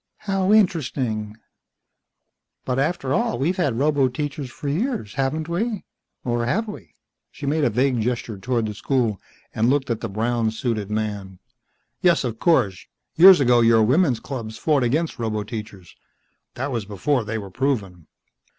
"Haow interesting. But after all, we've had roboteachers for years, haven't we or have we ?" She made a vague gesture toward the school, and looked at the brown suited man. "Yes, of course. Years ago your women's clubs fought against roboteachers. That was before they were proven."